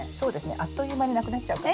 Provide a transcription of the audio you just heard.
あっという間になくなっちゃうかも。